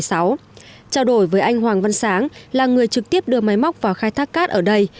trao đổi với anh hoàng văn sáng là người trực tiếp đưa máy móc vào khai thác cát ở đây